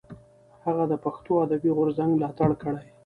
هغه د پښتو ادبي غورځنګ ملاتړ کړی.